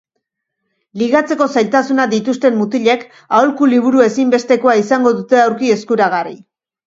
Ligatzeko zailtasunak dituzten mutilek aholku liburu ezinbestekoa izango dute aurki eskuragarri.